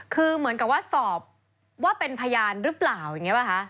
คือเหมือนกับว่าสอบว่าเป็นพยานหรือเปล่าอย่างนี้ป่ะคะ